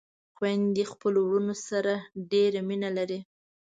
خويندې خپلو وروڼو سره ډېره مينه لري